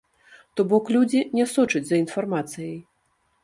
То бок людзі не сочаць за інфармацыяй.